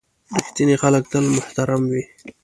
• رښتیني خلک تل محترم وي.